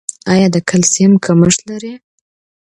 ایا د کلسیم کمښت لرئ؟